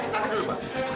tante dulu pak